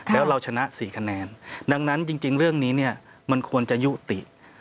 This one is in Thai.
แล้วเราชนะ๔คะแนนดังนั้นจริงเรื่องนี้เนี่ยมันควรจะยุติ